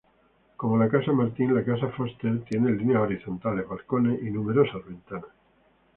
Como la casa Martin, la Casa Foster tiene líneas horizontales, balcones y numerosas ventanas.